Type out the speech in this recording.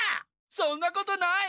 そんなことない！